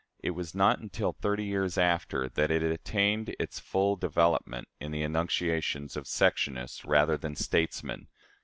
It was not until thirty years after that it attained its full development in the annunciations of sectionists rather than statesmen.